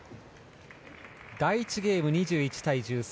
第１ゲーム、２１対１３